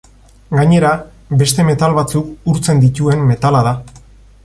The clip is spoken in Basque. Gainera, beste metal batzuk urtzen dituen metala da.